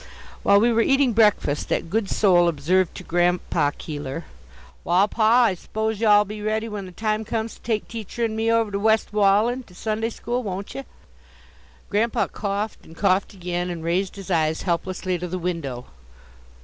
While we were eating breakfast, that good soul observed to Grandpa Keeler: "Wall, pa, I suppose you'll be all ready when the time comes to take teacher and me over to West Wallen to Sunday school, won't ye?" Grandpa coughed, and coughed again, and raised his eyes helplessly to the window.